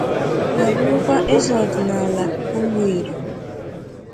ma bụrụkwa eze ọdịnala Ụmụeri